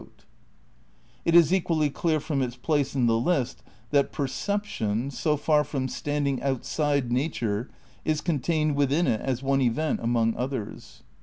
in THE CRITICAL PREPARATIONS 85 It is equally clear from its place in the list that per ception, so far from standing outside nature is con tained within it as one event among others.